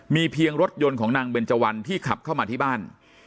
มีเพียงรถยนต์ของนางเบนเจวันที่ขับเข้ามาที่บ้าน